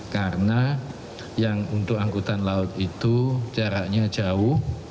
karena yang untuk angkutan laut itu jaraknya jauh